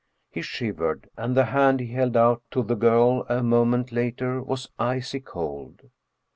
He shivered, and the hand he held out to the girl a moment later was icy cold.